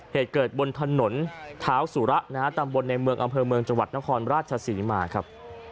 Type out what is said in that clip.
เหตุเกิดบนถนนเท้าสุระนะฮะตำบลในเมืองอำเภอเมืองจังหวัดนครราชศรีมาครับ